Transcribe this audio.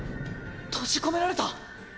閉じ込められた。